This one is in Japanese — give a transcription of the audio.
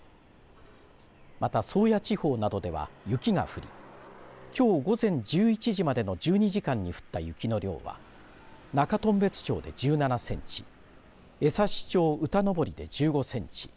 また、宗谷地方などでは雪が降りきょう午前１１時までの１２時間に降った雪の量は中頓別町で１７センチ枝幸町歌登で１５センチ